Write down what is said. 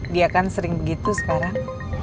dia kan sering begitu sekarang